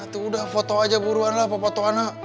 itu udah foto aja buruan lah pak fotoana